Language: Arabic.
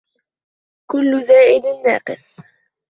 كل زائد ناقص